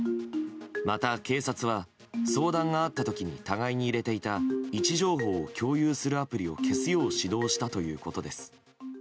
また警察は、相談があった時に互いに入れていた位置情報を共有するアプリを消すよう指導したということです。